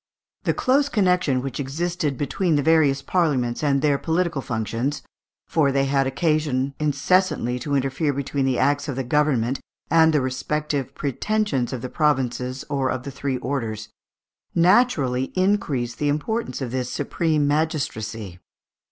The close connection which existed between the various Parliaments and their political functions for they had occasion incessantly to interfere between the acts of the government and the respective pretensions of the provinces or of the three orders naturally increased the importance of this supreme magistracy.